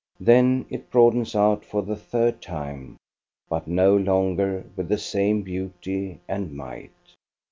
Then it broadens out for the third time, but no longer with the same beauty and might.